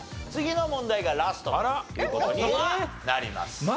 次の問題がラストという事になります。